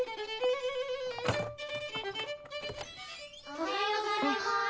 おはようございます。